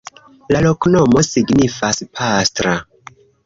La loknomo signifas: pastra.